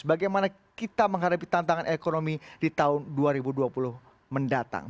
bagaimana kita menghadapi tantangan ekonomi di tahun dua ribu dua puluh mendatang